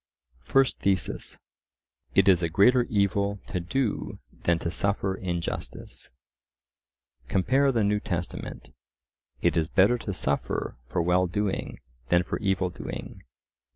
First Thesis:— It is a greater evil to do than to suffer injustice. Compare the New Testament— "It is better to suffer for well doing than for evil doing."